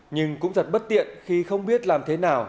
nhưng cũng rất bất tiện khi không biết làm thế nào